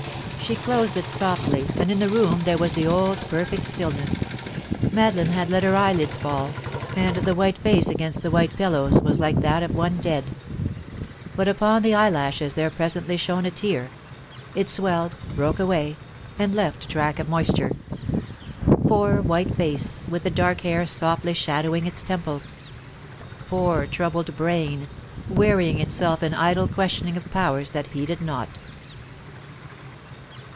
She closed it softly, and in the room there was the old perfect stillness. Madeline had let her eyelids fall, and the white face against the white pillows was like that of one dead. But upon the eyelashes there presently shone a tear; it swelled, broke away, and left a track of moisture. Poor white face, with the dark hair softly shadowing its temples! Poor troubled brain, wearying itself in idle questioning of powers that heeded not!